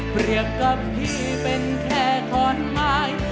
เปรียบกับพี่เป็นแค่คอนไม้